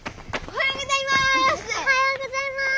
おはようございます！